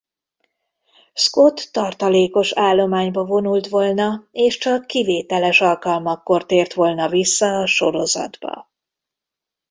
Scott tartalékos állományba vonult volna és csak kivételes alkalmakkor tért volna vissza a sorozatba.